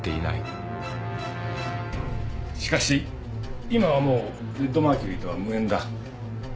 しかし今はもうレッドマーキュリーとは無縁だ。